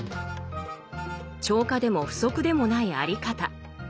超過でも不足でもないあり方。